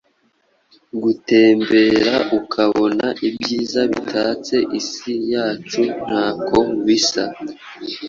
Gutembera ukabona ibyiza bitatse isi yacu nta ko bisa.